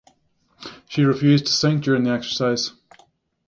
She refused to sink during the exercise.